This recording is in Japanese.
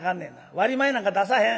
割り前なんか出さへん。